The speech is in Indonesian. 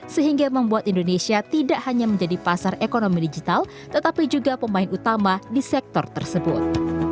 sehingga membuat indonesia tidak hanya menjadi pasar ekonomi digital tetapi juga pemain utama di sektor tersebut